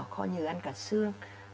có như ăn cả xương